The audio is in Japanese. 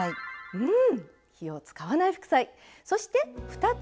うん！